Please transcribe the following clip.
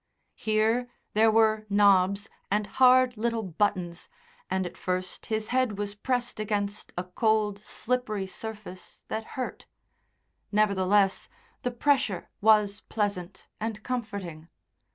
Here there were knobs and hard little buttons, and at first his head was pressed against a cold, slippery surface that hurt. Nevertheless, the pressure was pleasant and comforting.